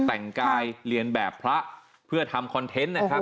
แต่งกายเรียนแบบพระเพื่อทำคอนเทนต์นะครับ